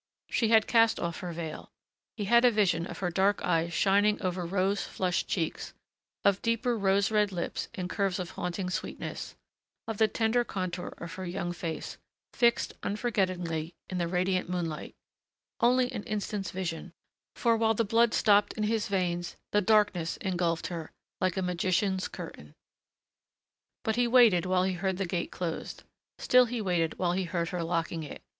She had cast off her veil. He had a vision of her dark eyes shining over rose flushed cheeks, of deeper rose red lips in curves of haunting sweetness, of the tender contour of her young face, fixed unforgettingly in the radiant moonlight only an instant's vision, for while the blood stopped in his veins the darkness engulfed her, like a magician's curtain. But he waited while he heard the gate closed. Still he waited while he heard her locking it.